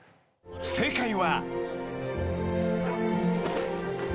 ［正解は］